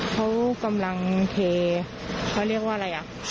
เขากำลังเทเขาเรียกว่าอะไรอ่ะ